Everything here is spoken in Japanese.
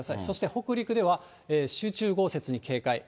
そして北陸では、集中豪雪に警戒。